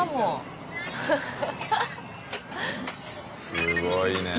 すごいね。